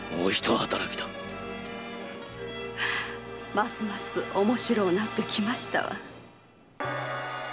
ますます面白うなってきましたわ。